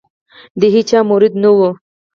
د هیچا مرید نه وو.